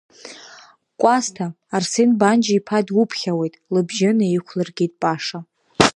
Кәасҭа, Арсен Банџьа-иԥа дуԥхьауеит, лыбжьы наиқәлыргеит Паша.